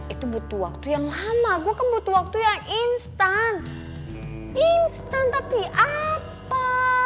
itu butuh waktu yang lama gue kan butuh waktu yang instan instan tapi apa